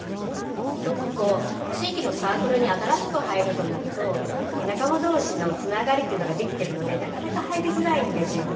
よく地域のサークルに新しく入るとなると仲間同士のつながりというのができているのでなかなか入りづらいんですよね。